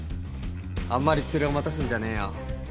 あんまりツレを待たすんじゃねえよ。